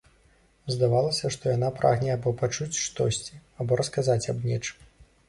Здавалася, што яна прагне або пачуць штосьці, або расказаць аб нечым.